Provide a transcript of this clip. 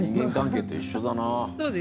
そうですね。